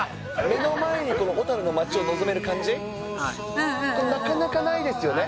目の前の、この小樽の街を望める感じ、これなかなかないですよね。